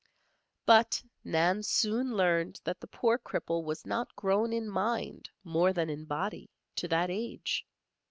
But Nan soon learned that the poor cripple was not grown in mind, more than in body, to that age.